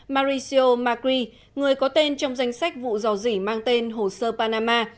maricio macri người có tên trong danh sách vụ dò dỉ mang tên hồ sơ panama